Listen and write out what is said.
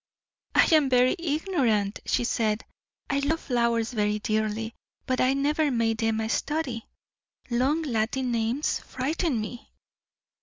"I am very ignorant," she said. "I love flowers very dearly, but I never made them a study. Long Latin names frighten me."